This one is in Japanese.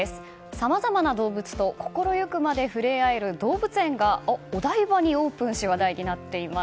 さまざまな動物と心行くまで触れ合えるお台場にオープンし話題になっています。